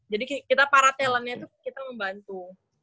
jadi kita para talentnya itu kita membantu